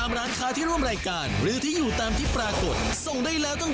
คุณไกรสอนประยุณระวงจากกรุงเทพมหานคร